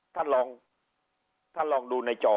ท่านลองถ้าลองดูในจอ